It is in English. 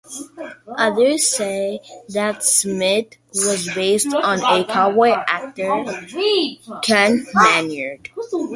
Others say that Smith was based on cowboy actor Ken Maynard.